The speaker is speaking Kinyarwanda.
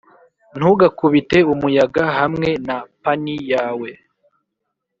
ntugakubite umuyaga hamwe na puny yawe,